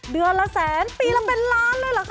เดือนละแสนปีละเป็นล้านเลยเหรอคะ